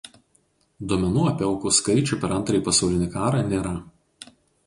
Duomenų apie aukų skaičių per Antrąjį pasaulinį karą nėra.